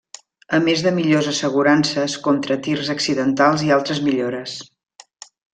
A més de millors assegurances contra tirs accidentals i altres millores.